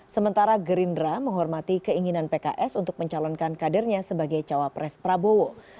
sementara gerindra menghormati keinginan pks untuk mencalonkan kadernya sebagai cawapres prabowo